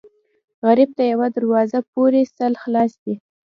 غریب ته یوه دروازه پورې سل خلاصې دي